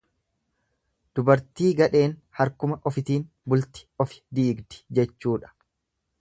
Dubartii gadheen harkuma ofitin bulti ofi diigdi jechuudha.